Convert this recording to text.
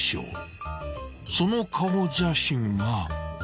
［その顔写真は］